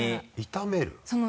炒める？